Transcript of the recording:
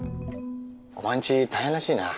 お前んち大変らしいな。